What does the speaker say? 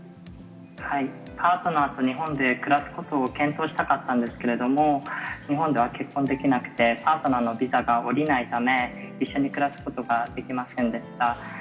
パートナーと日本で暮らすことを検討したかったんですけれども、日本では結婚できなくて、パートナーのビザが下りないため、一緒に暮らすことができませんでした。